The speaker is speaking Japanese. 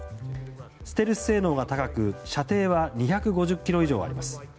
ステルス性能が高く射程は２５０ｋｍ以上あります。